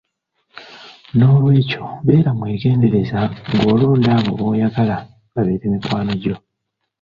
N’olwekyo beera mwegendereza ng’olonda abo b’oyagala babeere mikwano gyo.